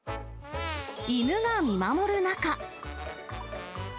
犬が見守る中。